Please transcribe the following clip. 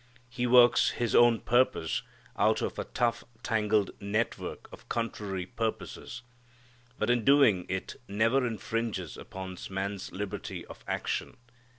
He works His own purpose out of a tough tangled network of contrary purposes; but in doing it never infringes upon man's liberty of action.